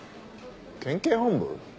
県警本部？